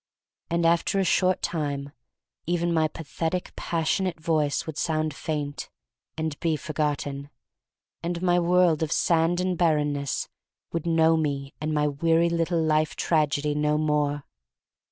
And after a short time even my pathetic, passion ate voice would sound faint and be for gotten, and my world of sand and barrenness would know me and my weary little life tragedy no more.